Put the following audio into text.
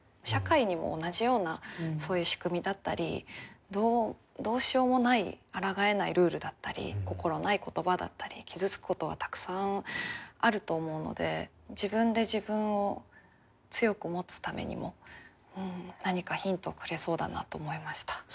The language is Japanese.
社会にも同じようなそういう仕組みだったりどうしようもないあらがえないルールだったり心ない言葉だったり傷つくことはたくさんあると思うので自分で自分を強く持つためにも何かヒントをくれそうだなと思いました。